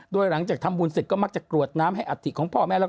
โดยหลังจากทำบุญเสร็จก็มักจะกรวดน้ำให้อัฐิของพ่อแม่แล้วก็